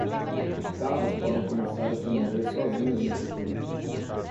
Os carros podem começar a se mover sozinhos no futuro.